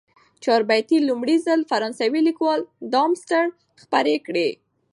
چاربیتې لومړی ځل فرانسوي لیکوال ډارمستتر خپرې کړې.